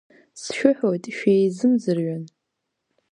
Сшәыҳәоит шәизымӡырҩын.